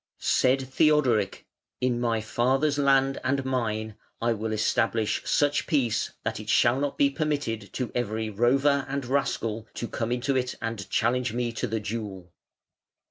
Said Theodoric: "In my father's land and mine I will establish such peace that it shall not be permitted to every rover and rascal to come into it and challenge me to the duel".